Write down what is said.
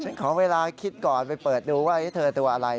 ขอเวลาคิดก่อนไปเปิดดูว่าเธอตัวอะไร